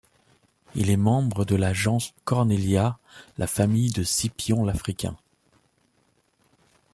Il est membre de la gens Cornelia, la famille de Scipion l'Africain.